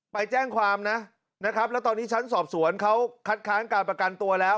ไปแจ้งความนะนะครับแล้วตอนนี้ชั้นสอบสวนเขาคัดค้านการประกันตัวแล้ว